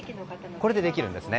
これでできるんです。